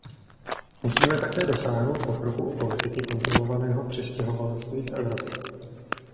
Musíme také dosáhnout pokroku u politiky kontrolovaného přistěhovalectví v Evropě.